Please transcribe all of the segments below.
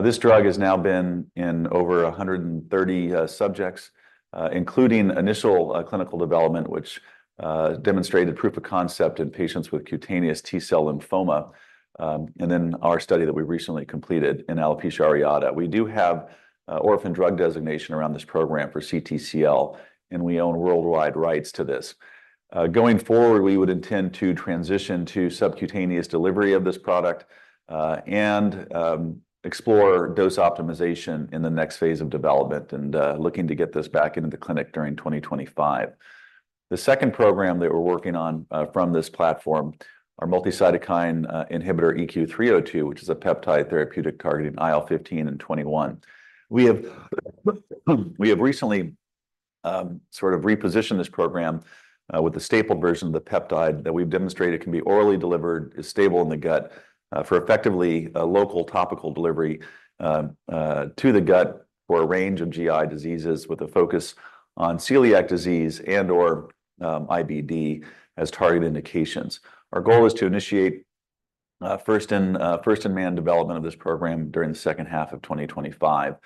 This drug has now been in over a 130 subjects, including initial clinical development, which demonstrated proof of concept in patients with cutaneous T-cell lymphoma, and then our study that we recently completed in alopecia areata. We do have orphan drug designation around this program for CTCL, and we own worldwide rights to this. Going forward, we would intend to transition to subcutaneous delivery of this product, and explore dose optimization in the next phase of development and looking to get this back into the clinic during 2025. The second program that we're working on from this platform, our multi-cytokine inhibitor EQ302, which is a peptide therapeutic targeting IL-15 and IL-21. We have recently sort of repositioned this program with the stapled version of the peptide that we've demonstrated can be orally delivered, is stable in the gut, for effectively a local topical delivery to the gut for a range of GI diseases, with a focus on celiac disease and/or IBD as target indications. Our goal is to initiate first-in-man development of this program during H2 of 2025.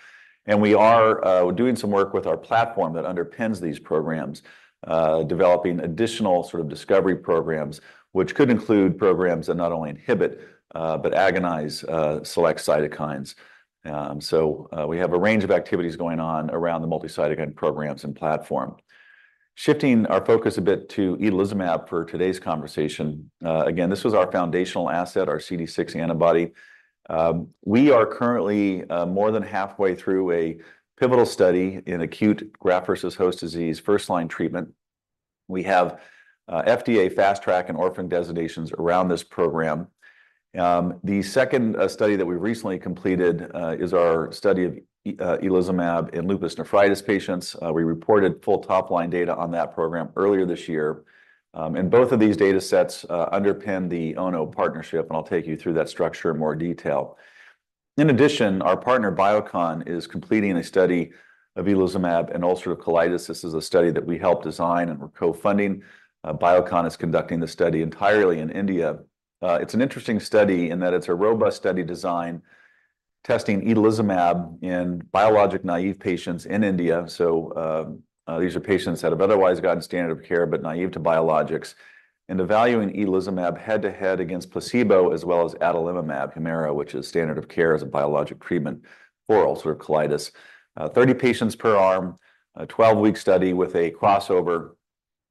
And we are doing some work with our platform that underpins these programs, developing additional sort of discovery programs, which could include programs that not only inhibit but agonize select cytokines. So we have a range of activities going on around the multi-cytokine programs and platform. Shifting our focus a bit to itolizumab for today's conversation. Again, this was our foundational asset, our CD6 antibody. We are currently more than halfway through a pivotal study in acute graft-versus-host disease, first-line treatment. We have FDA Fast Track and Orphan Drug Designations around this program. The second study that we recently completed is our study of itolizumab in lupus nephritis patients. We reported full top-line data on that program earlier this year, and both of these datasets underpin the Ono partnership, and I'll take you through that structure in more detail. In addition, our partner, Biocon, is completing a study of itolizumab in ulcerative colitis. This is a study that we helped design and we're co-funding. Biocon is conducting the study entirely in India. It's an interesting study in that it's a robust study design, testing itolizumab in biologic-naive patients in India. These are patients that have otherwise gotten standard of care, but naive to biologics, and evaluating itolizumab head-to-head against placebo, as well as adalimumab, Humira, which is standard of care as a biologic treatment for ulcerative colitis. 30 patients per arm, a 12-week study with a crossover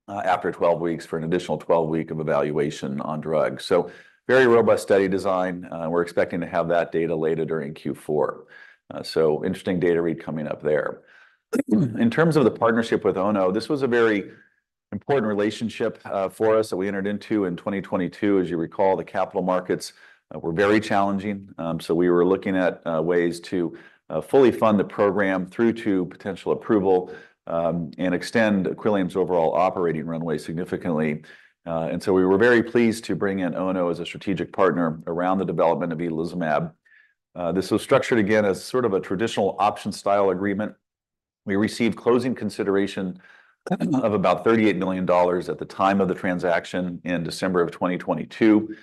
after 12 weeks for an additional 12-week evaluation on drugs. Very robust study design. We're expecting to have that data later during Q4. Interesting data read coming up there. In terms of the partnership with Ono, this was a very important relationship for us that we entered into in 2022. As you recall, the capital markets were very challenging, so we were looking at ways to fully fund the program through to potential approval and extend Equillium's overall operating runway significantly. And so we were very pleased to bring in Ono as a strategic partner around the development of itolizumab. This was structured again as sort of a traditional option-style agreement. We received closing consideration of about $38 million at the time of the transaction in December 2022,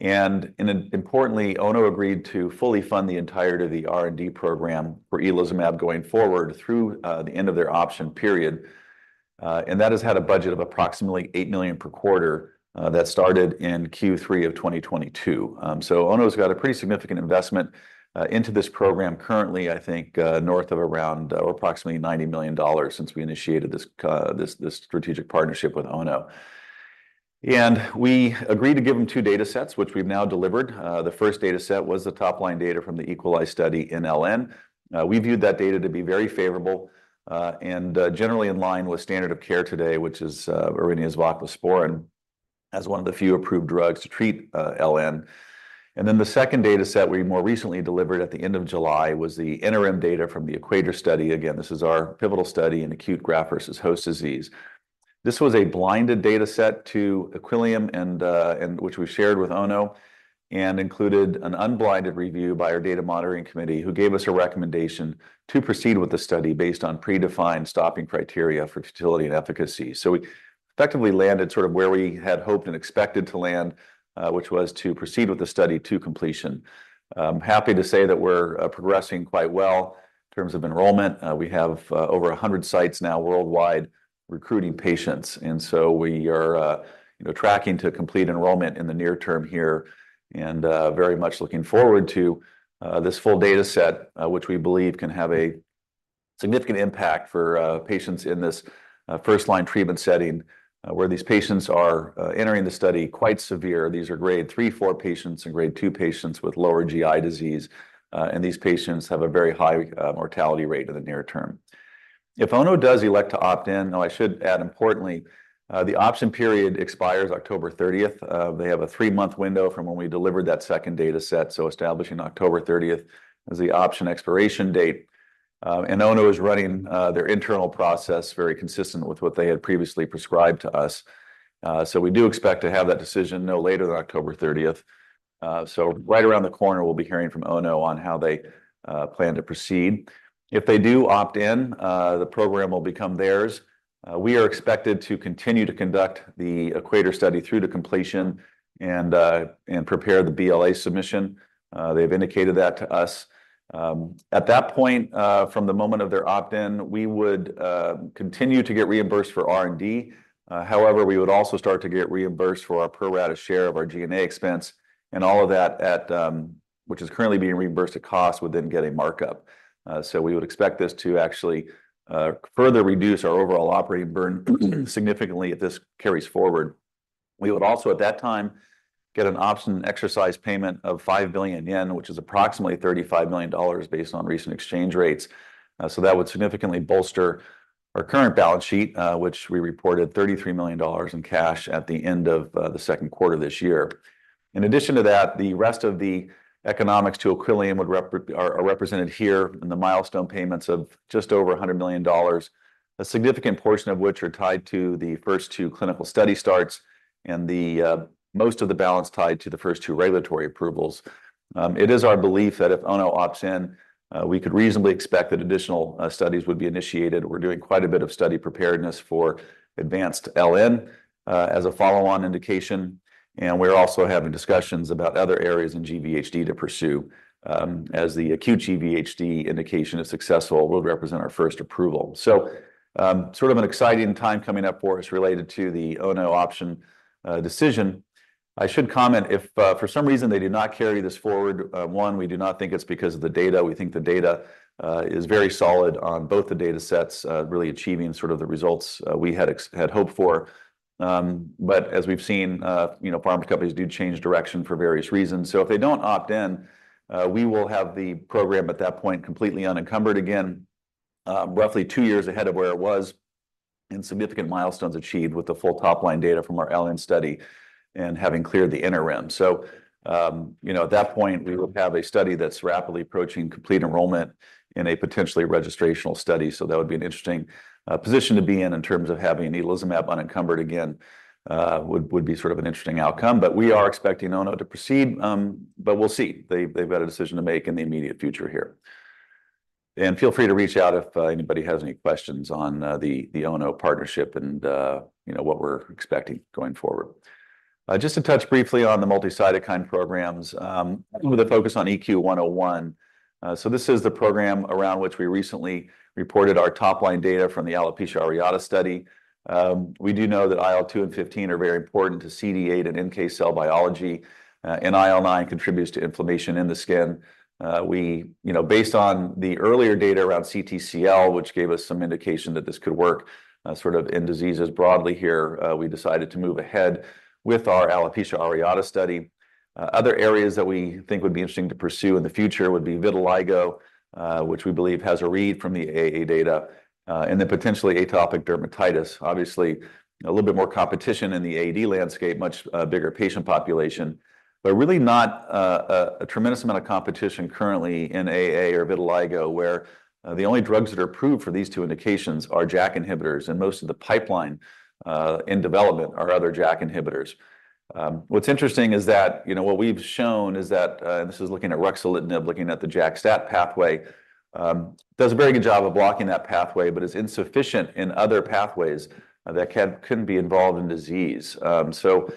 and importantly, Ono agreed to fully fund the entirety of the R&D program for itolizumab going forward through the end of their option period. And that has had a budget of approximately $8 million per quarter that started in Q3 2022. So Ono's got a pretty significant investment into this program. Currently, I think, north of around or approximately $90 million since we initiated this strategic partnership with Ono. And we agreed to give them two datasets, which we've now delivered. The first dataset was the top-line data from the EQUALISE study in LN. We viewed that data to be very favorable, and generally in line with standard of care today, which is mycophenolate, cyclosporine, as one of the few approved drugs to treat LN, and then the second dataset we more recently delivered at the end of July was the interim data from the EQUATOR study. Again, this is our pivotal study in acute graft-versus-host disease. This was a blinded dataset to Equillium and which we shared with Ono and included an unblinded review by our data monitoring committee, who gave us a recommendation to proceed with the study based on predefined stopping criteria for totality and efficacy. So we effectively landed sort of where we had hoped and expected to land, which was to proceed with the study to completion. I'm happy to say that we're progressing quite well in terms of enrollment. We have over a hundred sites now worldwide recruiting patients, and so we are, you know, tracking to complete enrollment in the near term here and very much looking forward to this full dataset, which we believe can have a significant impact for patients in this first-line treatment setting, where these patients are entering the study quite severe. These are grade three, four patients and grade two patients with lower GI disease, and these patients have a very high mortality rate in the near term. If Ono does elect to opt in... Now, I should add importantly, the option period expires October 30th. They have a three-month window from when we delivered that second dataset, so establishing October thirtieth as the option expiration date, and Ono is running their internal process very consistent with what they had previously prescribed to us, so we do expect to have that decision no later than October 30th, so right around the corner, we'll be hearing from Ono on how they plan to proceed. If they do opt in, the program will become theirs. We are expected to continue to conduct the EQUATOR study through to completion and prepare the BLA submission. They've indicated that to us. At that point, from the moment of their opt-in, we would continue to get reimbursed for R&D. However, we would also start to get reimbursed for our pro rata share of our G&A expense and all of that at which is currently being reimbursed at cost, would then get a markup. So we would expect this to actually further reduce our overall operating burn, significantly if this carries forward. We would also, at that time, get an option exercise payment of 5 billion yen, which is approximately $35 million based on recent exchange rates. So that would significantly bolster our current balance sheet, which we reported $33 million in cash at the end of Q2 this year. In addition to that, the rest of the economics to Equillium would are represented here in the milestone payments of just over $100 million, a significant portion of which are tied to the first two clinical study starts and the most of the balance tied to the first two regulatory approvals. It is our belief that if Ono opts in, we could reasonably expect that additional studies would be initiated. We're doing quite a bit of study preparedness for advanced LN as a follow-on indication, and we're also having discussions about other areas in GVHD to pursue. As the acute GVHD indication is successful, we'll represent our first approval, so sort of an exciting time coming up for us related to the Ono option decision. I should comment, if for some reason they do not carry this forward, one, we do not think it's because of the data. We think the data is very solid on both the datasets, really achieving sort of the results we had hoped for. But as we've seen, you know, pharma companies do change direction for various reasons. So if they don't opt in, we will have the program at that point, completely unencumbered again, roughly two years ahead of where it was, and significant milestones achieved with the full top-line data from our LN study and having cleared the interim. So, you know, at that point, we will have a study that's rapidly approaching complete enrollment in a potentially registrational study. So that would be an interesting position to be in, in terms of having itolizumab unencumbered again, would be sort of an interesting outcome, but we are expecting Ono to proceed. But we'll see. They've got a decision to make in the immediate future here. Feel free to reach out if anybody has any questions on the Ono partnership and, you know, what we're expecting going forward. Just to touch briefly on the multi-cytokine programs with a focus on EQ101. So this is the program around which we recently reported our top-line data from the alopecia areata study. We do know that IL-2 and IL-15 are very important to CD8 and NK cell biology, and IL-9 contributes to inflammation in the skin. We... You know, based on the earlier data around CTCL, which gave us some indication that this could work, sort of in diseases broadly here, we decided to move ahead with our alopecia areata study. Other areas that we think would be interesting to pursue in the future would be vitiligo, which we believe has a read from the AA data, and then potentially atopic dermatitis. Obviously, a little bit more competition in the AD landscape, much bigger patient population, but really not a tremendous amount of competition currently in AA or vitiligo, where the only drugs that are approved for these two indications are JAK inhibitors, and most of the pipeline in development are other JAK inhibitors. What's interesting is that, you know, what we've shown is that, and this is looking at ruxolitinib, looking at the JAK-STAT pathway, does a very good job of blocking that pathway but is insufficient in other pathways that couldn't be involved in disease, so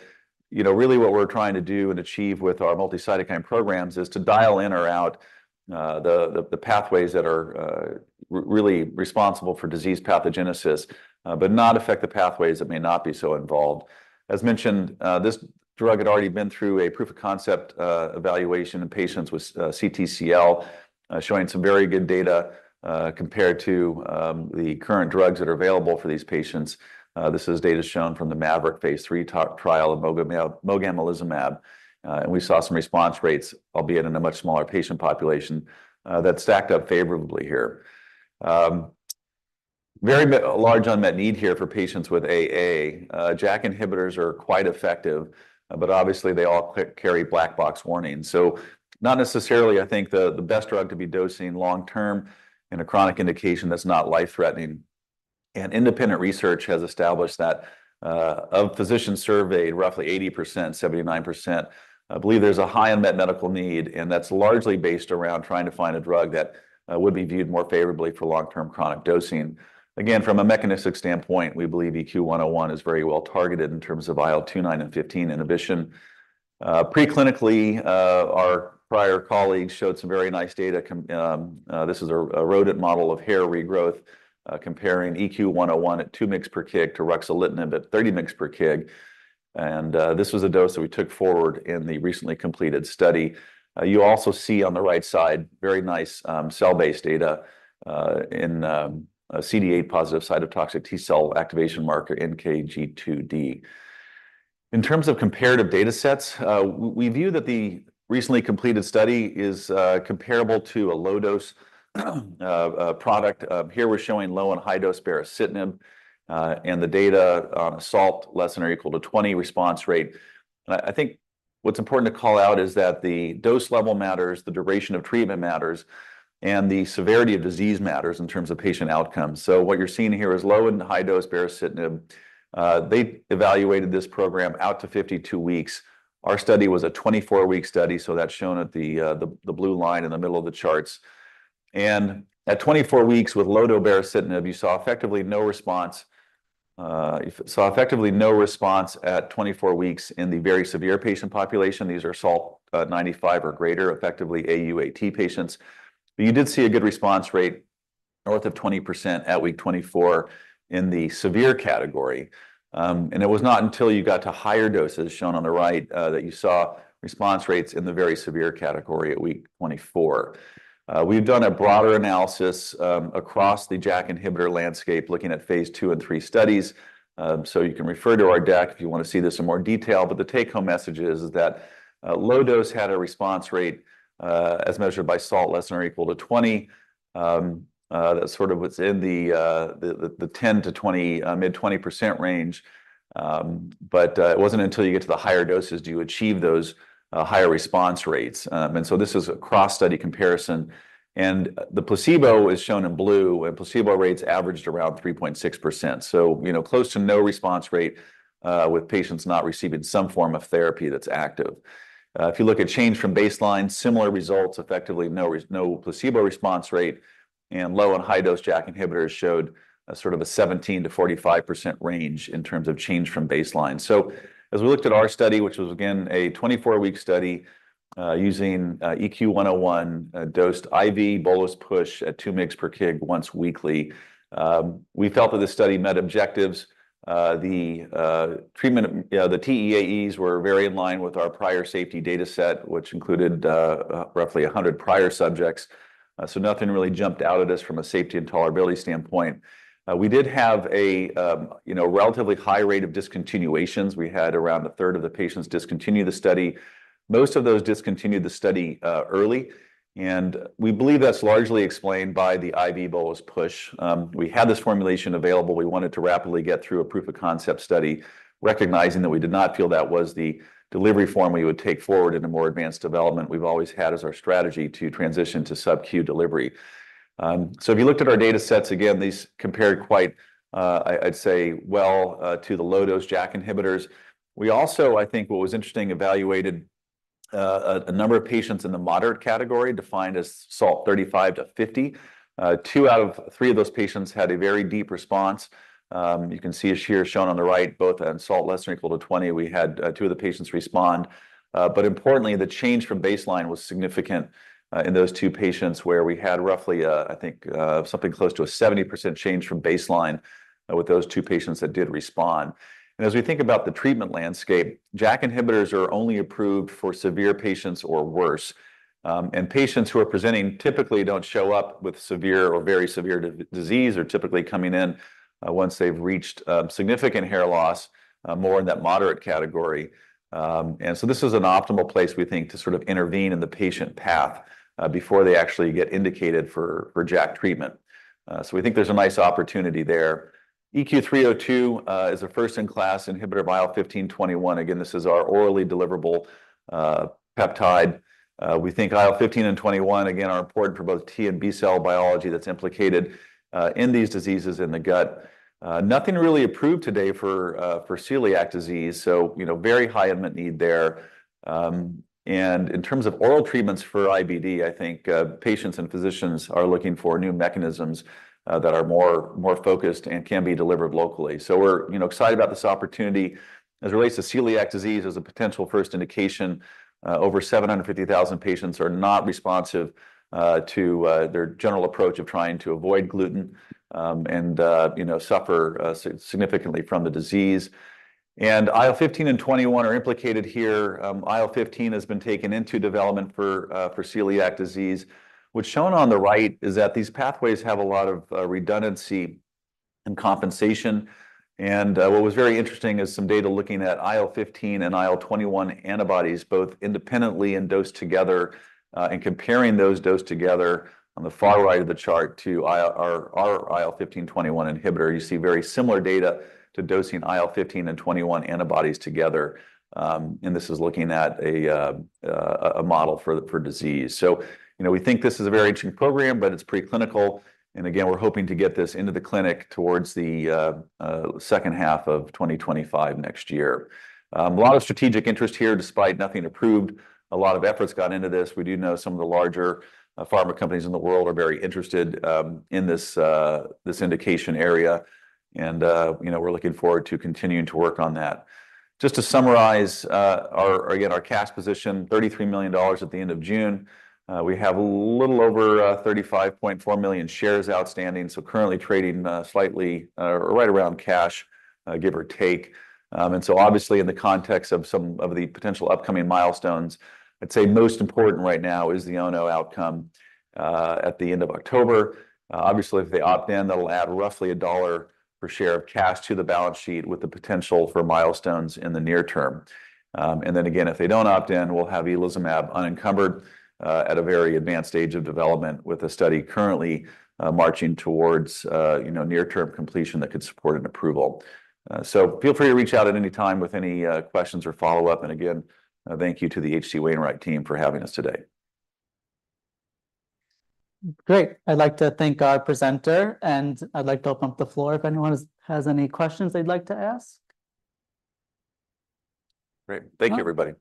you know, really what we're trying to do and achieve with our multi-cytokine programs is to dial in or out the pathways that are really responsible for disease pathogenesis, but not affect the pathways that may not be so involved. As mentioned, this drug had already been through a proof-of-concept evaluation in patients with CTCL, showing some very good data compared to the current drugs that are available for these patients. This is data shown from the MAVERICK phase lll trial of mogamulizumab. And we saw some response rates, albeit in a much smaller patient population, that stacked up favorably here. Very large unmet need here for patients with AA. JAK inhibitors are quite effective, but obviously, they all carry black box warnings. So not necessarily, I think, the best drug to be dosing long term in a chronic indication that's not life-threatening. And independent research has established that, of physicians surveyed, roughly 80%, 79% believe there's a high unmet medical need, and that's largely based around trying to find a drug that would be viewed more favorably for long-term chronic dosing. Again, from a mechanistic standpoint, we believe EQ101 is very well targeted in terms of IL-2, 9, and 15 inhibition. Pre-clinically, our prior colleagues showed some very nice data. This is a rodent model of hair regrowth, comparing EQ101 at two mgs per kg to ruxolitinib at 30 mgs per kg. This was a dose that we took forward in the recently completed study. You also see on the right side very nice cell-based data in a CD8-positive cytotoxic T cell activation marker, NKG2D. In terms of comparative datasets, we view that the recently completed study is comparable to a low-dose product. Here we're showing low- and high-dose baricitinib and the data, SALT less than or equal to 20 response rate. What's important to call out is that the dose level matters, the duration of treatment matters, and the severity of disease matters in terms of patient outcomes, so what you're seeing here is low- and high-dose baricitinib. They evaluated this program out to 52 weeks. Our study was a 24-week study, so that's shown at the blue line in the middle of the charts. At 24 weeks with low-dose baricitinib, you saw effectively no response. You saw effectively no response at 24 weeks in the very severe patient population. These are SALT-95 or greater, effectively AUAT patients. But you did see a good response rate north of 20% at week 24 in the severe category. And it was not until you got to higher doses, shown on the right, that you saw response rates in the very severe category at week 24. We've done a broader analysis across the JAK inhibitor landscape, looking at phase II and III studies. So you can refer to our deck if you wanna see this in more detail, but the take-home message is that low dose had a response rate as measured by SALT less than or equal to 20. That's sort of what's in the 10% to 20%, mid-20% range, but it wasn't until you get to the higher doses do you achieve those higher response rates, and so this is a cross-study comparison, and the placebo is shown in blue, and placebo rates averaged around 3.6%. You know, close to no response rate with patients not receiving some form of therapy that's active. If you look at change from baseline, similar results, effectively, no placebo response rate, and low and high-dose JAK inhibitors showed a sort of a 17% to 45% range in terms of change from baseline. So as we looked at our study, which was, again, a 24-week study, using EQ101, dosed IV bolus push at 2 mg per kg once weekly, we felt that this study met objectives. The treatment, you know, the TEAEs were very in line with our prior safety dataset, which included roughly 100 prior subjects. So nothing really jumped out at us from a safety and tolerability standpoint. We did have a, you know, relatively high rate of discontinuations. We had around a third of the patients discontinue the study. Most of those discontinued the study early, and we believe that's largely explained by the IV bolus push. We had this formulation available. We wanted to rapidly get through a proof of concept study, recognizing that we did not feel that was the delivery form we would take forward in a more advanced development. We've always had as our strategy to transition to subQ delivery. So if you looked at our datasets, again, these compared quite well to the low-dose JAK inhibitors. We also, I think what was interesting, evaluated a number of patients in the moderate category, defined as SALT-35 to 50. Two out of three of those patients had a very deep response. You can see it here shown on the right, both in SALT less than or equal to 20, we had two of the patients respond, but importantly, the change from baseline was significant in those two patients, where we had roughly, I think, something close to a 70% change from baseline with those two patients that did respond. As we think about the treatment landscape, JAK inhibitors are only approved for severe patients or worse, and patients who are presenting typically don't show up with severe or very severe disease, are typically coming in once they've reached significant hair loss more in that moderate category, and so this is an optimal place, we think, to sort of intervene in the patient path before they actually get indicated for JAK treatment. So we think there's a nice opportunity there. EQ302 is a first-in-class inhibitor of IL-15 / 21. Again, this is our orally deliverable peptide. We think IL-15 and 21 again are important for both T- and B-cell biology that's implicated in these diseases in the gut. Nothing really approved today for celiac disease, so you know, very high unmet need there. And in terms of oral treatments for IBD, I think patients and physicians are looking for new mechanisms that are more focused and can be delivered locally. So we're you know, excited about this opportunity. As it relates to celiac disease as a potential first indication, over seven hundred and fifty thousand patients are not responsive to their general approach of trying to avoid gluten, and you know, suffer significantly from the disease, and IL-15 and 21 are implicated here. IL-15 has been taken into development for celiac disease. What's shown on the right is that these pathways have a lot of redundancy and compensation. What was very interesting is some data looking at IL-15 and IL-21 antibodies, both independently and dosed together, and comparing those dosed together on the far right of the chart to our IL-15, 21 inhibitor. You see very similar data to dosing IL-15 and 21 antibodies together. This is looking at a model for disease. So, you know, we think this is a very interesting program, but it's preclinical. And again, we're hoping to get this into the clinic towards H2 of 2025 next year. A lot of strategic interest here, despite nothing approved. A lot of efforts got into this. We do know some of the larger pharma companies in the world are very interested in this indication area, and you know, we're looking forward to continuing to work on that. Just to summarize, our cash position again $33 million at the end of June. We have a little over 35.4 million shares outstanding, so currently trading slightly right around cash, give or take. And so obviously, in the context of some of the potential upcoming milestones, I'd say most important right now is the Ono outcome at the end of October. Obviously, if they opt in, that'll add roughly $1 per share of cash to the balance sheet, with the potential for milestones in the near term. And then again, if they don't opt in, we'll have itolizumab unencumbered at a very advanced stage of development, with a study currently marching towards, you know, near-term completion that could support an approval. So feel free to reach out at any time with any questions or follow-up. And again, thank you to the H.C. Wainwright team for having us today. Great. I'd like to thank our presenter, and I'd like to open up the floor if anyone has any questions they'd like to ask. Great. Thank you, everybody.